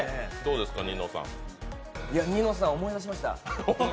「ニノさん」、思い出しました。